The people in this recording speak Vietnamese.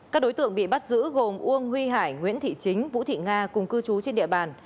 các đối tượng bị bắt giữ gồm uông huy hải nguyễn thị chính vũ thị nga cùng cư trú trên địa bàn